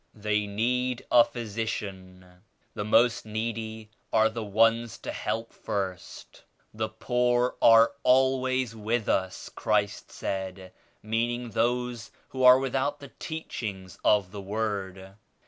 They need a physician. The most needy are the ones to help first. The 'poor are always with us' Christ said, meaning those who are without the Teachings of the Word.